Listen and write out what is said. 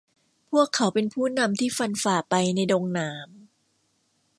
พวกเขาเป็นผู้นำที่ฟันผ่าไปในดงหนาม